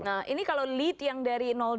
nah ini kalau lead yang dari dua